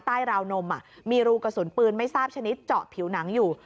ราวนมมีรูกระสุนปืนไม่ทราบชนิดเจาะผิวหนังอยู่